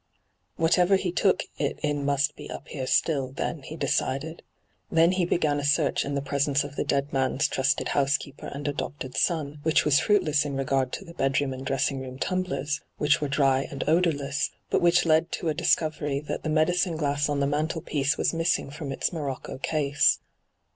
'Whatever he took it in must be up here still, then,' he decided. Then he began a search in the presence of the dead man's trusted housekeeper and adopted son, which was fruitless in regard to the bedroom and dress ing room tumblers, which were dry and odour less, but which led to a discovery that the 3—2 n,aN, .^hyG00glc 36 ENTRAPPED medioine glaBs on the m&ntelpieoe was miBsing from its moroooo case.